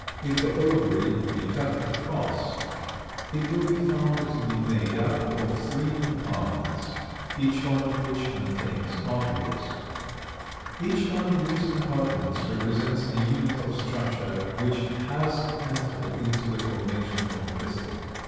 If the ovary be cut across, it will be found to be made up of three compartments, each one of which contains ovules. Each one of these compartments represents a unit of structure which has entered into the formation of the pistil.